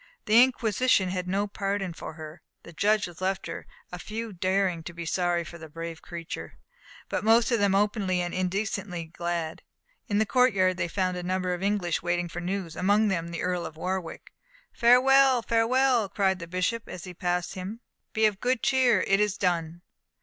The Inquisition had no pardon for her. The judges left her, a few daring to be sorry for the brave creature, but most of them openly and indecently glad. In the courtyard they found a number of English waiting for news, among them the Earl of Warwick. "Farewell, farewell!" cried the bishop, as he passed him; "be of good cheer it is done!"